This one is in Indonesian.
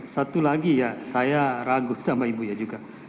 satu lagi ya saya ragu sama ibu ya juga